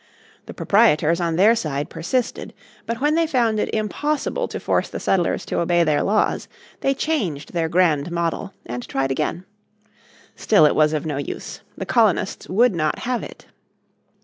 The proprietors on their side persisted. But when they found it impossible to force the settlers to obey their laws they changed their Grand Model and tried again. Still it was of no use. The colonists would not have it.